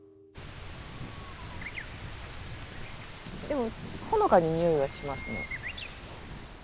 でもほのかににおいはしますね。